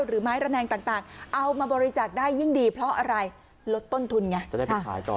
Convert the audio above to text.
หรือไม้ระแนงต่างเอามาบริจาคได้ยิ่งดีเพราะอะไรลดต้นทุนไงจะได้ไปขายต่อ